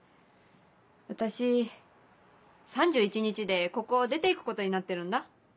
私３１日でここを出て行くことになってるんだ。